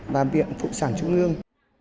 và bệnh viện phụ sản trung ương